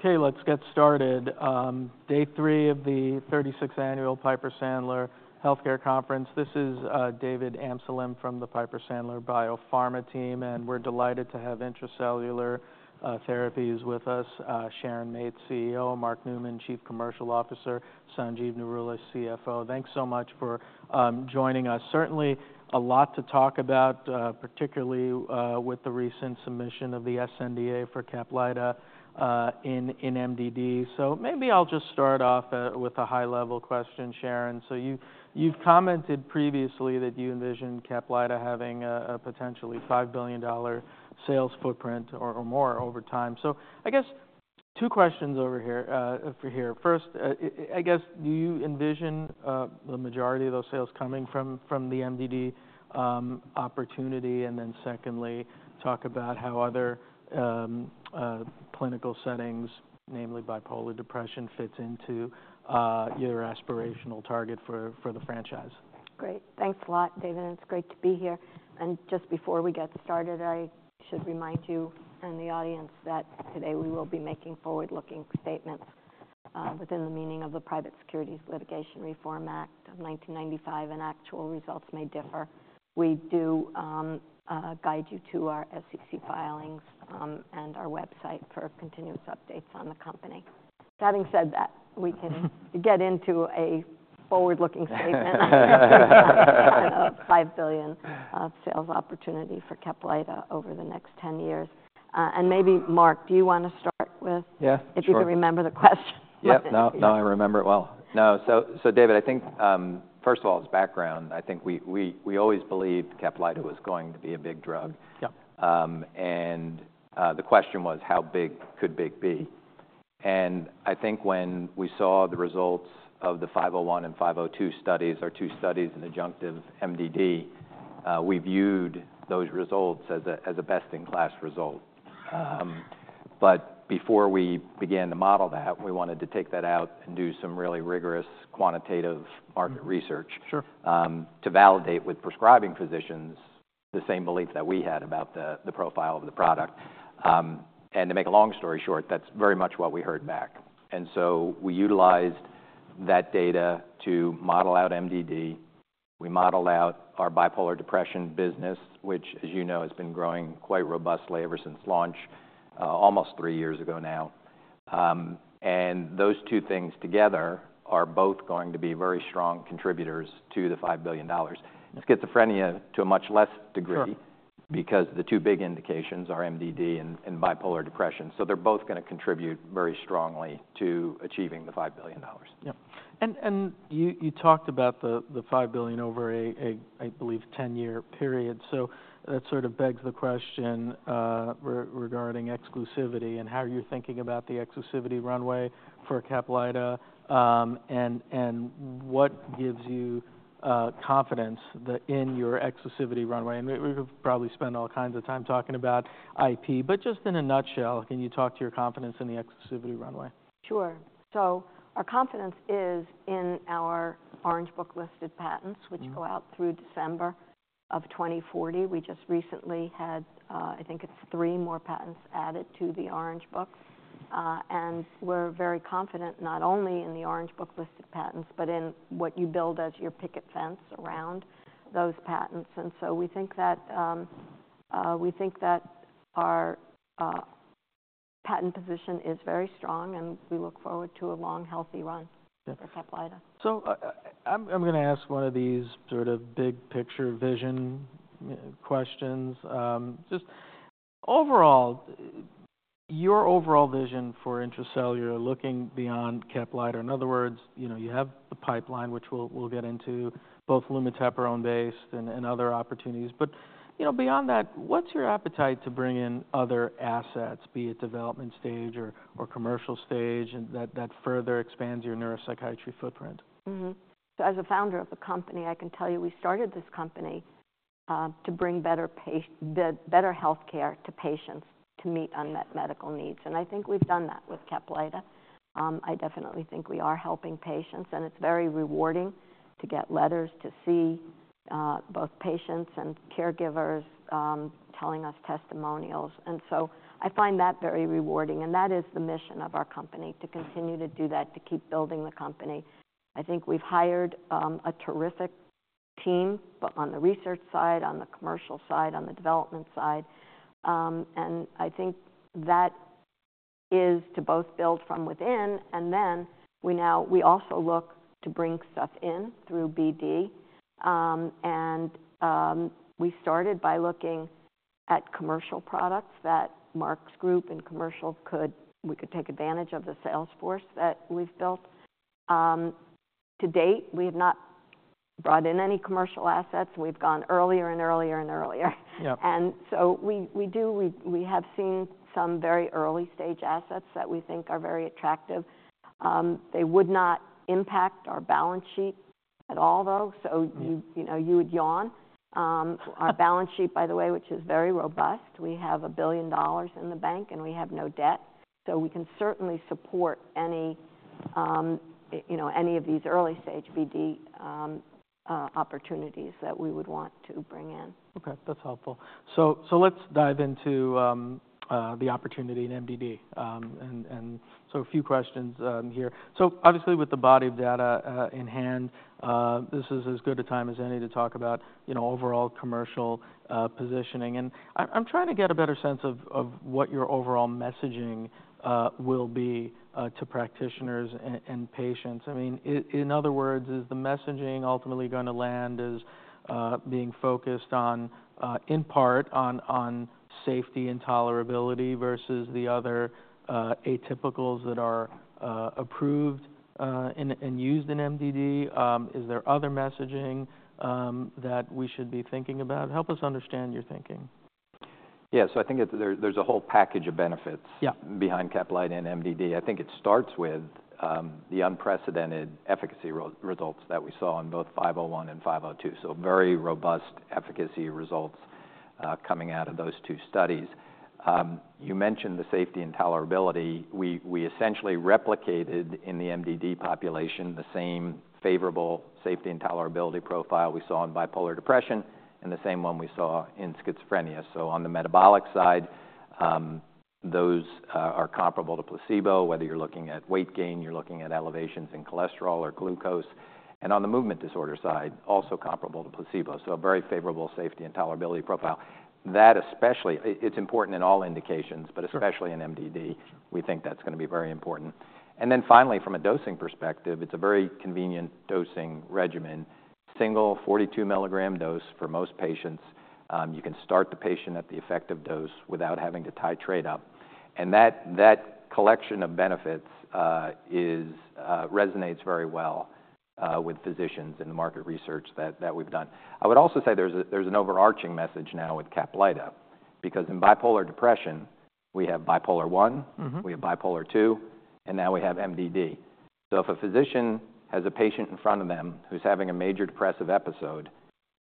Okay, let's get started. Day three of the 36th Annual Piper Sandler Healthcare Conference. This is David Amsellem from the Piper Sandler Biopharma team, and we're delighted to have Intra-Cellular Therapies with us: Sharon Mates, CEO; Mark Neumann, Chief Commercial Officer; Sanjeev Narula, CFO. Thanks so much for joining us. Certainly, a lot to talk about, particularly with the recent submission of the sNDA for Caplyta in MDD. So maybe I'll just start off with a high-level question, Sharon. So you've commented previously that you envision Caplyta having a potentially $5 billion sales footprint or more over time. So I guess two questions over here. First, I guess, do you envision the majority of those sales coming from the MDD opportunity? And then secondly, talk about how other clinical settings, namely bipolar depression, fits into your aspirational target for the franchise. Great. Thanks a lot, David. It's great to be here. And just before we get started, I should remind you and the audience that today we will be making forward-looking statements within the meaning of the Private Securities Litigation Reform Act of 1995, and actual results may differ. We do guide you to our SEC filings and our website for continuous updates on the company. Having said that, we can get into a forward-looking statement on the $5 billion sales opportunity for Caplyta over the next 10 years. And maybe, Mark, do you want to start with if you can remember the question? Yeah, now I remember it well. No, so David, I think, first of all, as background, I think we always believed Caplyta was going to be a big drug, and the question was, how big could big be? I think when we saw the results of the 501 and 502 studies, our two studies in the adjunctive MDD, we viewed those results as a best-in-class result, but before we began to model that, we wanted to take that out and do some really rigorous quantitative market research to validate with prescribing physicians the same belief that we had about the profile of the product. To make a long story short, that's very much what we heard back, and so we utilized that data to model out MDD. We modeled out our bipolar depression business, which, as you know, has been growing quite robustly ever since launch almost three years ago now. And those two things together are both going to be very strong contributors to the $5 billion. And schizophrenia, to a much less degree, because the two big indications are MDD and bipolar depression. So they're both going to contribute very strongly to achieving the $5 billion. Yeah. And you talked about the $5 billion over a, I believe, 10-year period. So that sort of begs the question regarding exclusivity and how you're thinking about the exclusivity runway for Caplyta. And what gives you confidence in your exclusivity runway? And we could probably spend all kinds of time talking about IP, but just in a nutshell, can you talk to your confidence in the exclusivity runway? Sure. So our confidence is in our Orange Book-listed patents, which go out through December of 2040. We just recently had, I think it's three more patents added to the Orange Book. And we're very confident not only in the Orange Book-listed patents, but in what you build as your picket fence around those patents. And so we think that our patent position is very strong, and we look forward to a long, healthy run for Caplyta. So I'm going to ask one of these sort of big-picture vision questions. Just overall, your overall vision for Intra-Cellular looking beyond Caplyta, in other words, you have the pipeline, which we'll get into, both lumateperone-based and other opportunities. But beyond that, what's your appetite to bring in other assets, be it development stage or commercial stage, that further expands your neuropsychiatry footprint? As a founder of the company, I can tell you we started this company to bring better healthcare to patients to meet unmet medical needs. And I think we've done that with Caplyta. I definitely think we are helping patients, and it's very rewarding to get letters to see both patients and caregivers telling us testimonials. And so I find that very rewarding. And that is the mission of our company, to continue to do that, to keep building the company. I think we've hired a terrific team on the research side, on the commercial side, on the development side. And I think that is to both build from within. And then we also look to bring stuff in through BD. And we started by looking at commercial products that Mark's group and commercial could we take advantage of the sales force that we've built. To date, we have not brought in any commercial assets. We've gone earlier and earlier and earlier, and so we do. We have seen some very early-stage assets that we think are very attractive. They would not impact our balance sheet at all, though. So you would yawn. Our balance sheet, by the way, which is very robust. We have $1 billion in the bank, and we have no debt. So we can certainly support any of these early-stage BD opportunities that we would want to bring in. Okay, that's helpful. So let's dive into the opportunity in MDD. And so a few questions here. So obviously, with the body of data in hand, this is as good a time as any to talk about overall commercial positioning. And I'm trying to get a better sense of what your overall messaging will be to practitioners and patients. I mean, in other words, is the messaging ultimately going to land as being focused on, in part, on safety and tolerability versus the other atypicals that are approved and used in MDD? Is there other messaging that we should be thinking about? Help us understand your thinking? Yeah, so I think there's a whole package of benefits behind Caplyta and MDD. I think it starts with the unprecedented efficacy results that we saw in both 501 and 502. So very robust efficacy results coming out of those two studies. You mentioned the safety and tolerability. We essentially replicated in the MDD population the same favorable safety and tolerability profile we saw in bipolar depression and the same one we saw in schizophrenia. So on the metabolic side, those are comparable to placebo, whether you're looking at weight gain, you're looking at elevations in cholesterol or glucose. And on the movement disorder side, also comparable to placebo. So a very favorable safety and tolerability profile. That, especially, it's important in all indications, but especially in MDD. We think that's going to be very important. And then finally, from a dosing perspective, it's a very convenient dosing regimen. Single, 42-milligram dose for most patients. You can start the patient at the effective dose without having to titrate up. And that collection of benefits resonates very well with physicians in the market research that we've done. I would also say there's an overarching message now with Caplyta, because in bipolar depression, we have bipolar I, we have bipolar II, and now we have MDD. So if a physician has a patient in front of them who's having a major depressive episode,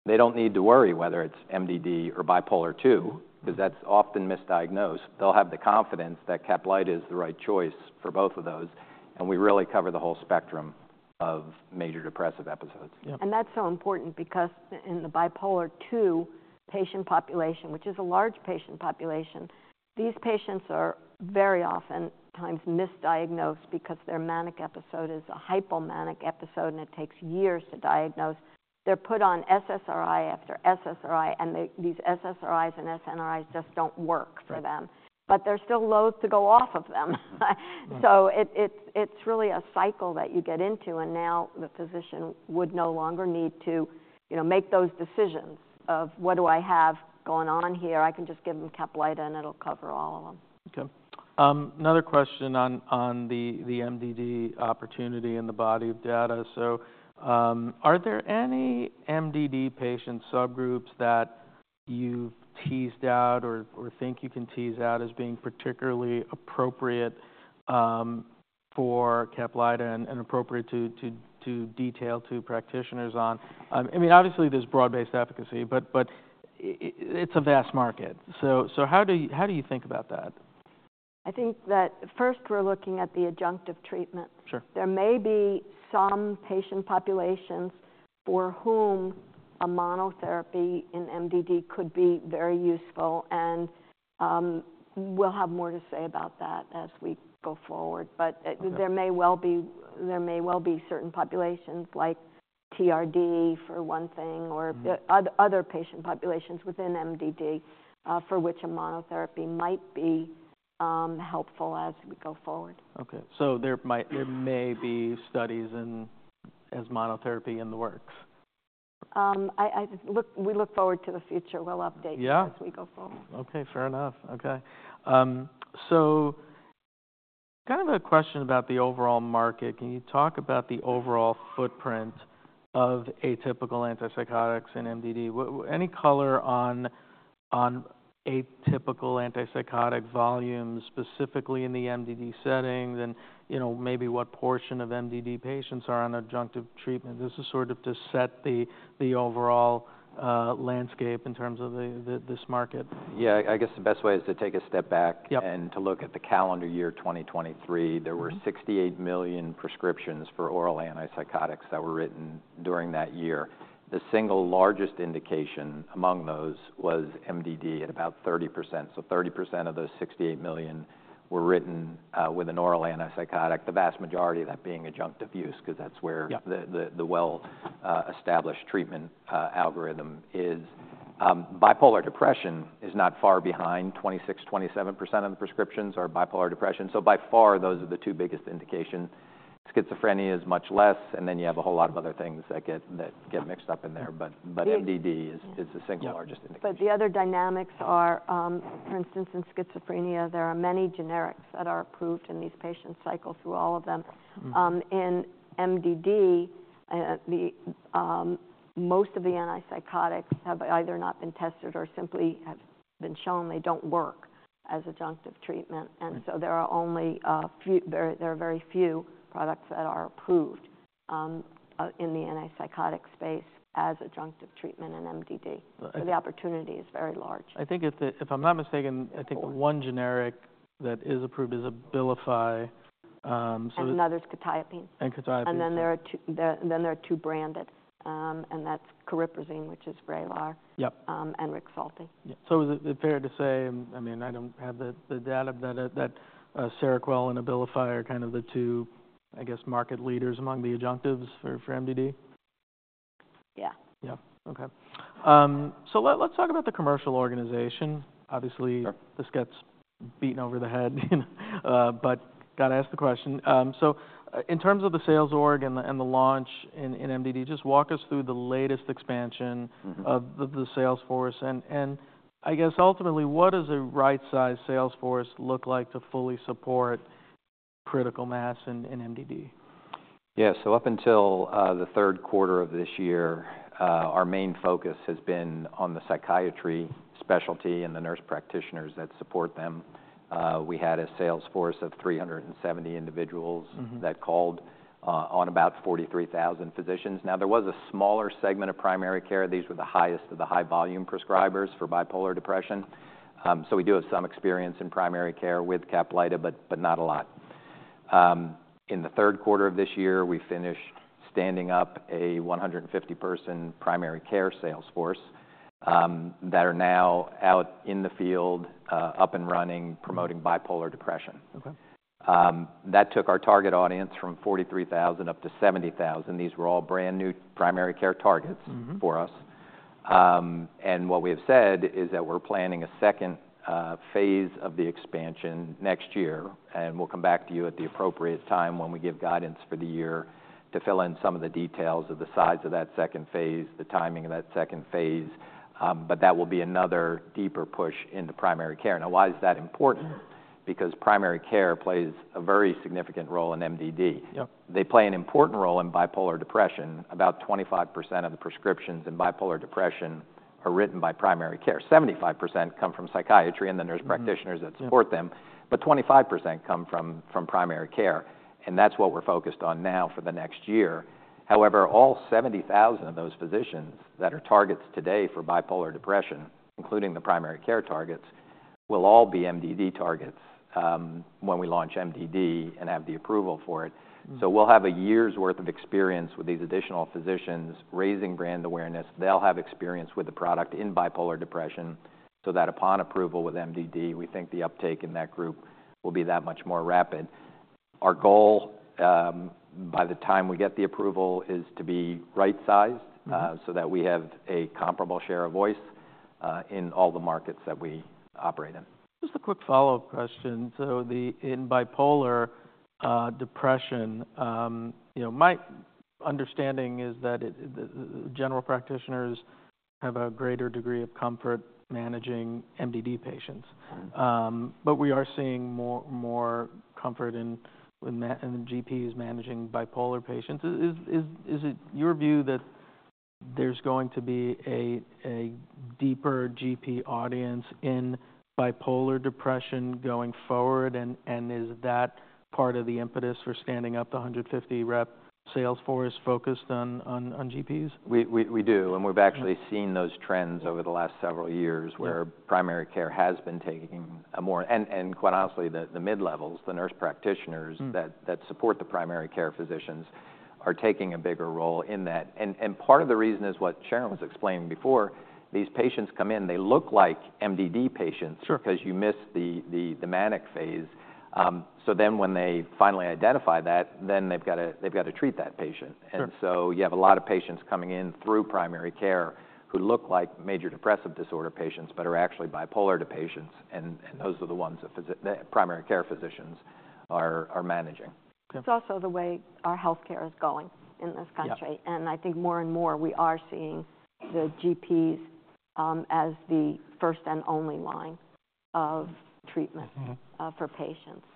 they don't need to worry whether it's MDD or bipolar II, because that's often misdiagnosed. They'll have the confidence that Caplyta is the right choice for both of those. And we really cover the whole spectrum of major depressive episodes. That's so important because in the Bipolar II patient population, which is a large patient population, these patients are very oftentimes misdiagnosed because their manic episode is a hypomanic episode, and it takes years to diagnose. They're put on SSRI after SSRI, and these SSRIs and SNRIs just don't work for them. But they're still loath to go off of them. It's really a cycle that you get into. Now the physician would no longer need to make those decisions of, "What do I have going on here?" I can just give them Caplyta, and it'll cover all of them. Okay. Another question on the MDD opportunity and the body of data. So are there any MDD patient subgroups that you've teased out or think you can tease out as being particularly appropriate for Caplyta and appropriate to detail to practitioners on? I mean, obviously, there's broad-based efficacy, but it's a vast market. So how do you think about that? I think that first, we're looking at the adjunctive treatment. There may be some patient populations for whom a monotherapy in MDD could be very useful. And we'll have more to say about that as we go forward. But there may well be certain populations, like TRD for one thing, or other patient populations within MDD for which a monotherapy might be helpful as we go forward. Okay, so there may be studies as monotherapy in the works. We look forward to the future. We'll update you as we go forward. Okay, fair enough. Okay. So kind of a question about the overall market. Can you talk about the overall footprint of atypical antipsychotics in MDD? Any color on atypical antipsychotic volumes, specifically in the MDD setting, and maybe what portion of MDD patients are on adjunctive treatment? This is sort of to set the overall landscape in terms of this market. Yeah, I guess the best way is to take a step back and to look at the calendar year 2023. There were 68 million prescriptions for oral antipsychotics that were written during that year. The single largest indication among those was MDD at about 30%. So 30% of those 68 million were written with an oral antipsychotic, the vast majority of that being adjunctive use, because that's where the well-established treatment algorithm is. Bipolar depression is not far behind. 26%, 27% of the prescriptions are bipolar depression. So by far, those are the two biggest indications. Schizophrenia is much less. And then you have a whole lot of other things that get mixed up in there. But MDD is the single largest indication. But the other dynamics are, for instance, in schizophrenia, there are many generics that are approved, and these patients cycle through all of them. In MDD, most of the antipsychotics have either not been tested or simply have been shown they don't work as adjunctive treatment. And so there are very few products that are approved in the antipsychotic space as adjunctive treatment in MDD. So the opportunity is very large. I think if I'm not mistaken, I think one generic that is approved is Abilify. Another is quetiapine. And quetiapine. And then there are two branded. And that's cariprazine, which is Vraylar, and Rexulti. So is it fair to say, I mean, I don't have the data, that Seroquel and Abilify are kind of the two, I guess, market leaders among the adjunctives for MDD? Yeah. Yeah. Okay. So let's talk about the commercial organization. Obviously, this gets beaten over the head, but got to ask the question. So in terms of the sales org and the launch in MDD, just walk us through the latest expansion of the sales force. And I guess ultimately, what does a right-sized sales force look like to fully support critical mass in MDD? Yeah. So up until the third quarter of this year, our main focus has been on the psychiatry specialty and the nurse practitioners that support them. We had a sales force of 370 individuals that called on about 43,000 physicians. Now, there was a smaller segment of primary care. These were the highest of the high-volume prescribers for bipolar depression. So we do have some experience in primary care with Caplyta, but not a lot. In the third quarter of this year, we finished standing up a 150-person primary care sales force that are now out in the field, up and running, promoting bipolar depression. That took our target audience from 43,000 up to 70,000. These were all brand new primary care targets for us. And what we have said is that we're planning a second phase of the expansion next year. We'll come back to you at the appropriate time when we give guidance for the year to fill in some of the details of the size of that second phase, the timing of that second phase. That will be another deeper push into primary care. Now, why is that important? Because primary care plays a very significant role in MDD. They play an important role in bipolar depression. About 25% of the prescriptions in bipolar depression are written by primary care. 75% come from psychiatry and the nurse practitioners that support them, but 25% come from primary care. And that's what we're focused on now for the next year. However, all 70,000 of those physicians that are targets today for bipolar depression, including the primary care targets, will all be MDD targets when we launch MDD and have the approval for it. So we'll have a year's worth of experience with these additional physicians raising brand awareness. They'll have experience with the product in bipolar depression so that upon approval with MDD, we think the uptake in that group will be that much more rapid. Our goal by the time we get the approval is to be right-sized so that we have a comparable share of voice in all the markets that we operate in. Just a quick follow-up question. So in bipolar depression, my understanding is that general practitioners have a greater degree of comfort managing MDD patients. But we are seeing more comfort in GPs managing bipolar patients. Is it your view that there's going to be a deeper GP audience in bipolar depression going forward? And is that part of the impetus for standing up the 150-rep sales force focused on GPs? We do. We've actually seen those trends over the last several years where primary care has been taking a more, and quite honestly, the mid-levels, the nurse practitioners that support the primary care physicians are taking a bigger role in that. Part of the reason is what Sharon was explaining before. These patients come in, they look like MDD patients because you miss the manic Phase. So then when they finally identify that, then they've got to treat that patient. You have a lot of patients coming in through primary care who look like major depressive disorder patients, but are actually bipolar patients. Those are the ones that primary care physicians are managing. It's also the way our healthcare is going in this country. And I think more and more we are seeing the GPs as the first and only line of treatment for patients.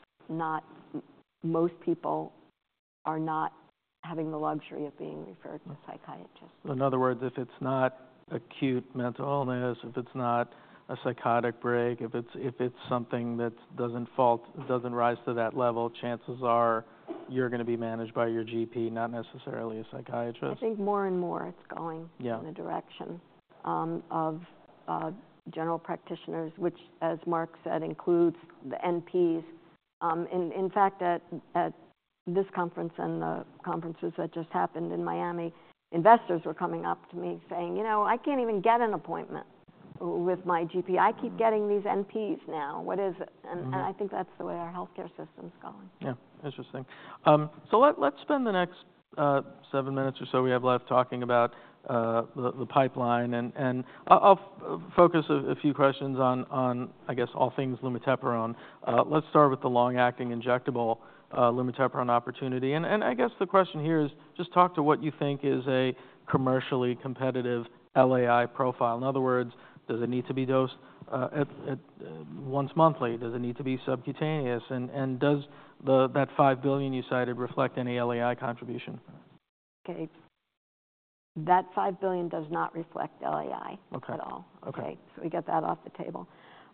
Most people are not having the luxury of being referred to a psychiatrist. In other words, if it's not acute mental illness, if it's not a psychotic break, if it's something that doesn't rise to that level, chances are you're going to be managed by your GP, not necessarily a psychiatrist. I think more and more it's going in the direction of general practitioners, which, as Mark said, includes the NPs. In fact, at this conference and the conferences that just happened in Miami, investors were coming up to me saying, "You know, I can't even get an appointment with my GP. I keep getting these NPs now. What is it?" And I think that's the way our healthcare system's going. Yeah. Interesting. So let's spend the next seven minutes or so we have left talking about the pipeline. And I'll focus a few questions on, I guess, all things lumateperone. Let's start with the long-acting injectable lumateperone opportunity. And I guess the question here is just talk to what you think is a commercially competitive LAI profile. In other words, does it need to be dosed once monthly? Does it need to be subcutaneous? And does that $5 billion you cited reflect any LAI contribution? Okay. That $5 billion does not reflect LAI at all. Okay. So we get that off the table.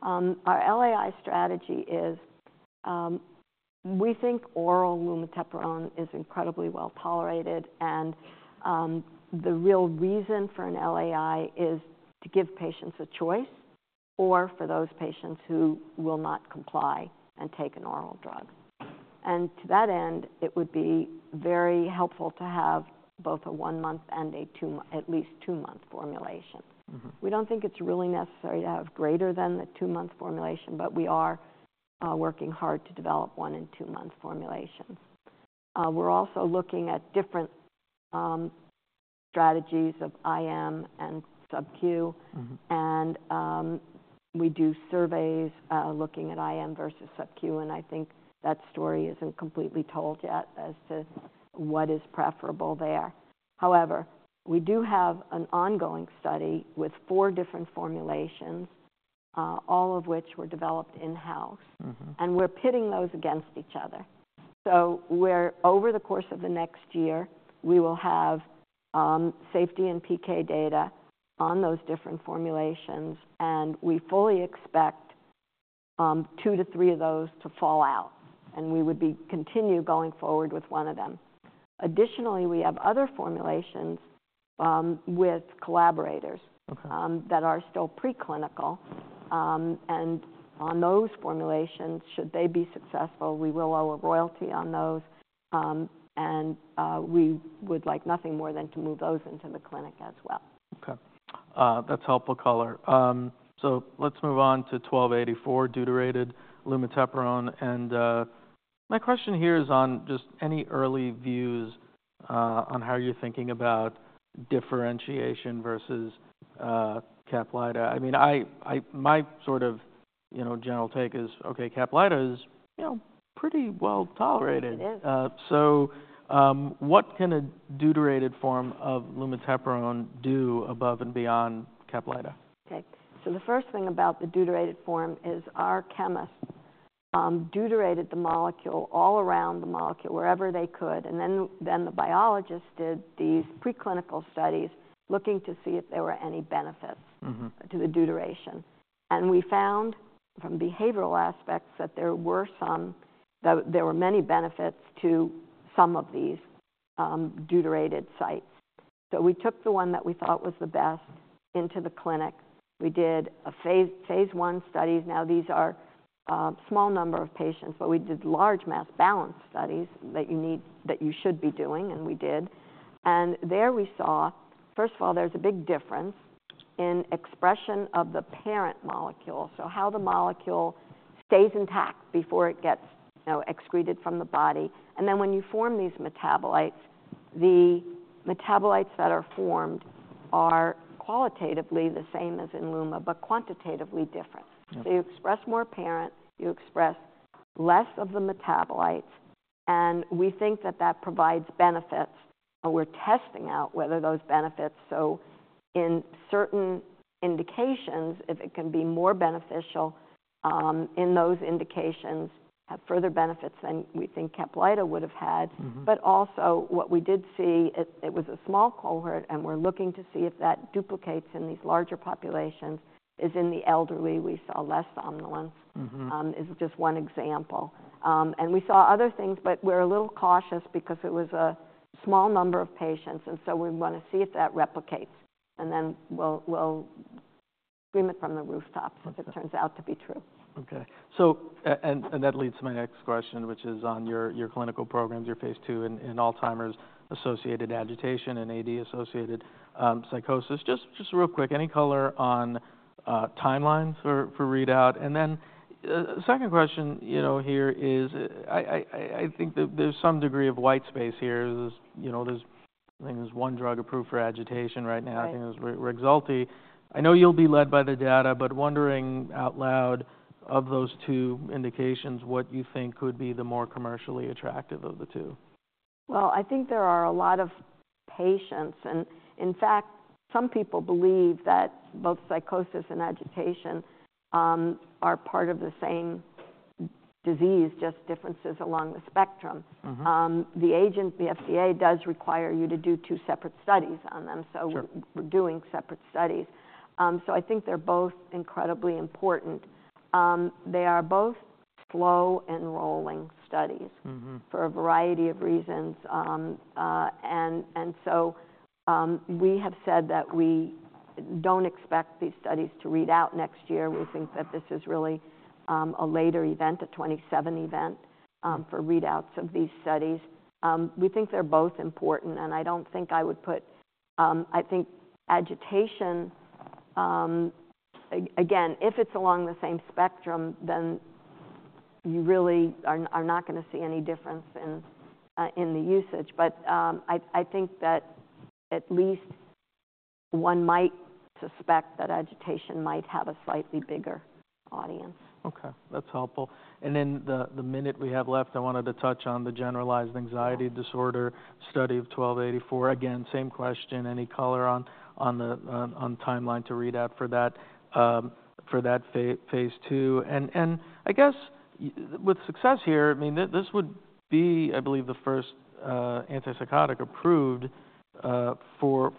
Our LAI strategy is we think oral lumateperone is incredibly well tolerated, and the real reason for an LAI is to give patients a choice or for those patients who will not comply and take an oral drug. And to that end, it would be very helpful to have both a one-month and at least two-month formulation. We don't think it's really necessary to have greater than the two-month formulation, but we are working hard to develop one- and two-month formulations. We're also looking at different strategies of IM and sub-Q. And we do surveys looking at IM versus sub-Q. And I think that story isn't completely told yet as to what is preferable there. However, we do have an ongoing study with four different formulations, all of which were developed in-house. And we're pitting those against each other. So over the course of the next year, we will have safety and PK data on those different formulations. And we fully expect two to three of those to fall out. And we would continue going forward with one of them. Additionally, we have other formulations with collaborators that are still preclinical. And on those formulations, should they be successful, we will owe a royalty on those. And we would like nothing more than to move those into the clinic as well. Okay. That's helpful color. So let's move on to 1284 deuterated lumateperone. And my question here is on just any early views on how you're thinking about differentiation versus Caplyta. I mean, my sort of general take is, okay, Caplyta is pretty well tolerated. So what can a deuterated form of lumateperone do above and beyond Caplyta? Okay. So the first thing about the deuterated form is our chemists deuterated the molecule all around the molecule wherever they could. And then the biologists did these preclinical studies looking to see if there were any benefits to the deuteration. And we found from behavioral aspects that there were many benefits to some of these deuterated sites. So we took the one that we thought was the best into the clinic. We did Phase I studies. Now, these are a small number of patients, but we did large mass balance studies that you should be doing, and we did. And there we saw, first of all, there's a big difference in exposure of the parent molecule. So how the molecule stays intact before it gets excreted from the body. And then when you form these metabolites, the metabolites that are formed are qualitatively the same as in Luma, but quantitatively different. So you express more parent, you express less of the metabolites. And we think that that provides benefits. We're testing out whether those benefits. So in certain indications, if it can be more beneficial in those indications, have further benefits than we think Caplyta would have had. But also what we did see, it was a small cohort, and we're looking to see if that duplicates in these larger populations. Is in the elderly, we saw less somnolence. Is just one example. And we saw other things, but we're a little cautious because it was a small number of patients. And so we want to see if that replicates. And then we'll scream it from the rooftops if it turns out to be true. Okay. And that leads to my next question, which is on your clinical programs, your Phase II in Alzheimer's associated agitation and AD associated psychosis. Just real quick, any color on timelines for readout? And then the second question here is I think there's some degree of white space here. There's one drug approved for agitation right now. I think it was Rexulti. I know you'll be led by the data, but wondering out loud of those two indications, what you think could be the more commercially attractive of the two? I think there are a lot of patients. In fact, some people believe that both psychosis and agitation are part of the same disease, just differences along the spectrum. The agency, the FDA does require you to do two separate studies on them. We're doing separate studies. I think they're both incredibly important. They are both slow enrolling studies for a variety of reasons. We have said that we don't expect these studies to read out next year. We think that this is really a later event, a 2027 event for readouts of these studies. We think they're both important. I don't think I would put, I think agitation, again, if it's along the same spectrum, then you really are not going to see any difference in the usage. But I think that at least one might suspect that agitation might have a slightly bigger audience. Okay. That's helpful. And then the minute we have left, I wanted to touch on the generalized anxiety disorder study of 1284. Again, same question, any color on the timeline to read out for that Phase II? And I guess with success here, I mean, this would be, I believe, the first antipsychotic approved for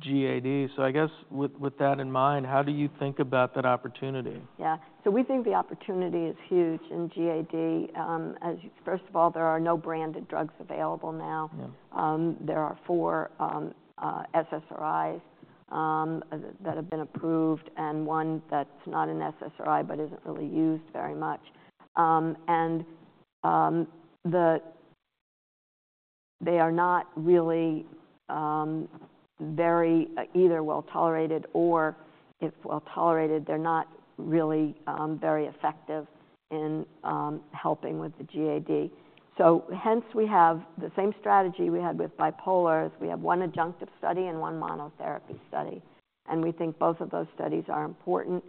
GAD. So I guess with that in mind, how do you think about that opportunity? Yeah. So we think the opportunity is huge in GAD. First of all, there are no branded drugs available now. There are four SSRIs that have been approved and one that's not an SSRI, but isn't really used very much. And they are not really very either well tolerated or if well tolerated, they're not really very effective in helping with the GAD. So hence we have the same strategy we had with bipolars. We have one adjunctive study and one monotherapy study. And we think both of those studies are important.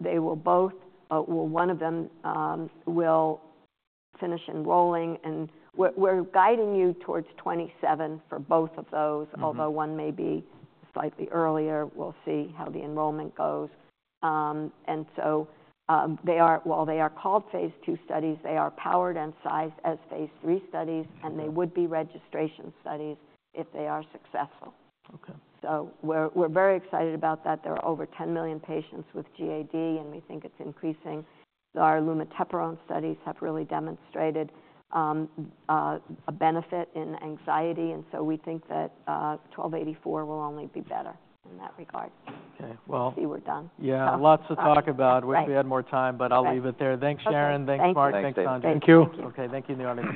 They will both, one of them will finish enrolling. And we're guiding you towards 27 for both of those, although one may be slightly earlier. We'll see how the enrollment goes. And so while they are called Phase II studies, they are powered and sized as Phase III studies, and they would be registration studies if they are successful. So we're very excited about that. There are over 10 million patients with GAD, and we think it's increasing. Our lumateperone studies have really demonstrated a benefit in anxiety. And so we think that 1284 will only be better in that regard. Okay. Well. See we're done. Yeah. Lots to talk about. Wish we had more time, but I'll leave it there. Thanks, Sharon. Thanks Thanks Mark. Thanks, Dave. Thank you. Okay. Thank you, Nealy.